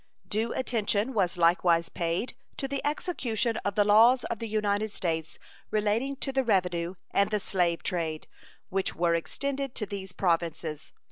Due attention was likewise paid to the execution of the laws of the United States relating to the revenue and the slave trade, which were extended to these Provinces.